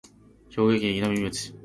兵庫県稲美町